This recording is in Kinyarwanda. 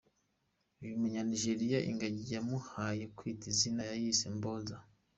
Uyu munya-Nigeriya, ingagi bamuhaye kwita izina yayise “Mboza”.